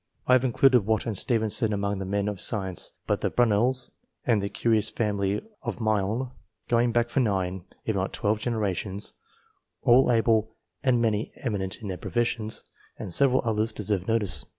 I have included Watt and Stephenson among the men of science, but the Brunels, and the curious family of Mylne, going back for nine, if not twelve generations, all able and many eminent in their professions, and several others, deserve notice.